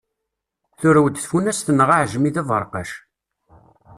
Turew-d tfunast-nneɣ aɛejmi d aberqac.